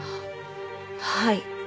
はい。